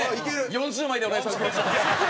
４０枚でお願いします。